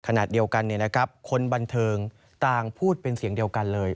ขณะเดียวกันคนบันเทิงต่างพูดเป็นเสียงเดียวกันเลย